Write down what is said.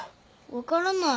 分からない。